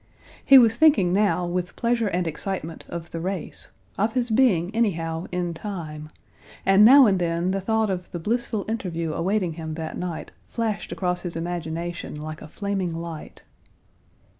He was thinking now with pleasure and excitement of the race, of his being anyhow, in time, and now and then the thought of the blissful interview awaiting him that night flashed across his imagination like a flaming light.